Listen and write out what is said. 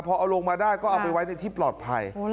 พอเอาลงมาได้ก็เอาไปไว้ในที่ปลอดภัย